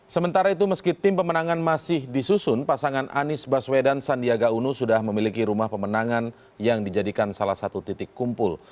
sementara itu meski tim pemenangan masih disusun pasangan anies baswedan sandiaga uno sudah memiliki rumah pemenangan yang dijadikan salah satu titik kumpul